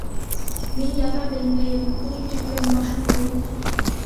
— Мин яҙа белмәйем, ул тиклем башым да юҡ.